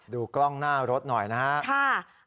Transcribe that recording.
กล้องหน้ารถหน่อยนะครับ